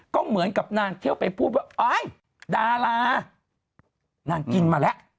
ก็เหมือนกับนางเที่ยวไปพูดว่าดารานางกินมาแล้ว